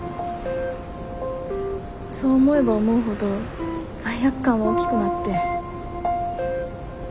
そう思えば思うほど罪悪感は大きくなって。